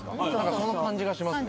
その感じがしますね。